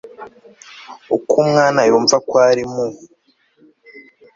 uko umwana yumvako ari mu